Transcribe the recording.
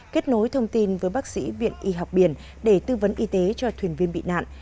kết nối thông tin với bác sĩ viện y học biển để tư vấn y tế cho thuyền viên bị nạn